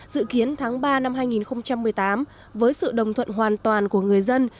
dự kiến tháng ba năm hai nghìn một mươi tám với sự đồng thuận hoàn toàn của người dân